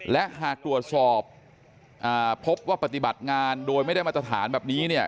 และหากตรวจสอบพบว่าปฏิบัติงานโดยไม่ได้มาตรฐานแบบนี้เนี่ย